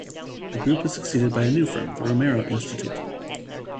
The group was succeeded by a new firm, the Romero Institute.